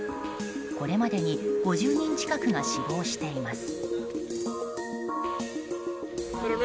これまでに５０人近くが死亡しています。